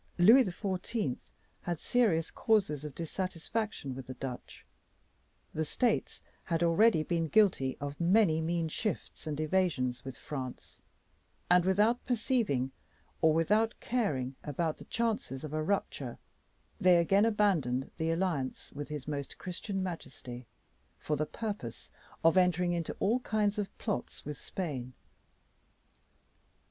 Louis XIV. had serious causes of dissatisfaction with the Dutch; the States had already been guilty of many mean shifts and evasions with France, and without perceiving or without caring about the chances of a rupture, they again abandoned the alliance with his Most Christian Majesty, for the purpose of entering into all kinds of plots with Spain.